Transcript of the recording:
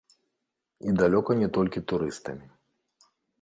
І далёка не толькі турыстамі.